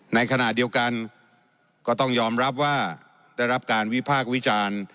ในขณะเดียวกันก็ต้องยอมรับว่าได้รับการวิพากษ์วิจารณ์